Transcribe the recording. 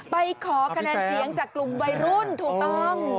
ไปขอคะแนนเสียงจากกลุ่มวัยรุ่นถูกต้อง